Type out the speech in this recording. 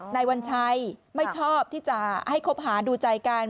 นายวัญชัยไม่ชอบที่จะให้คบหาดูใจกัน